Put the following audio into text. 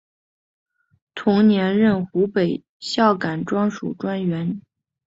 同年任湖北孝感专署专员。